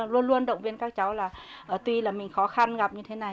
luôn luôn động viên các cháu là tuy là mình khó khăn gặp như thế này